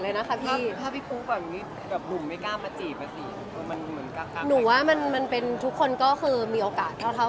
แต่ส่วนใหญ่ทุกวันนี้ก็ไม่เห็นจะเจอใครเลย